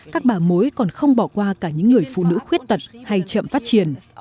các bà mối còn không bỏ qua cả những người phụ nữ khuyết tật hay chậm phát triển